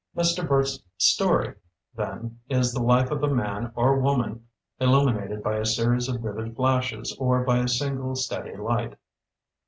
Mr. Burt's "story", then, is the life of a man or woman illuminated by a series of vivid flashes or by a single steady light.